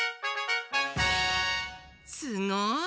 すごい！